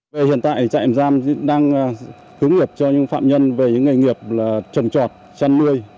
về hiện tại thì trại tạm giam đang hướng nghiệp cho những phạm nhân về những nghề nghiệp là trồng trọt chăn nuôi